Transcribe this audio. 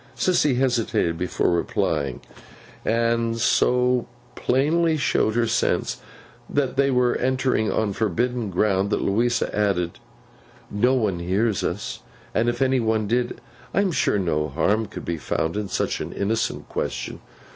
Sissy hesitated before replying, and so plainly showed her sense that they were entering on forbidden ground, that Louisa added, 'No one hears us; and if any one did, I am sure no harm could be found in such an innocent question.